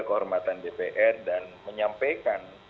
kehormatan dpr dan menyampaikan